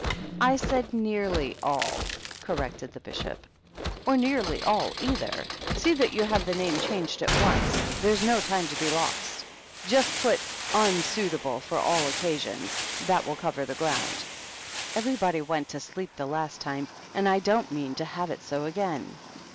"I said nearly all," corrected the Bishop. " Or nearly all, either. See that you have the name changed at once ; there's no time to be lost. Just put * equitable for all Occasions ;' that will cover the ground. Everybody went to sleep the last tftne, and I don't .mean to have it so again."